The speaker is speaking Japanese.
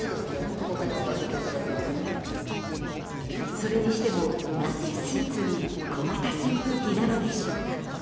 それにしても、なぜスーツに小型扇風機なのでしょうか。